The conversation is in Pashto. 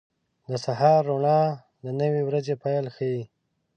• د سهار روڼا د نوې ورځې پیل ښيي.